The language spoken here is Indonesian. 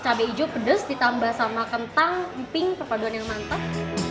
cabai hijau pedas ditambah sama kentang emping perpaduan yang mantap